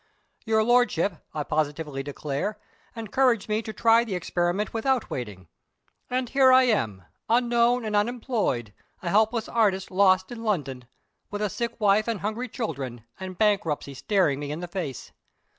Your Lordship, I positively declare, encouraged me to try the experiment without waiting. And here I am, unknown and unemployed, a helpless artist lost in London with a sick wife and hungry children, and bankruptcy staring me in the face.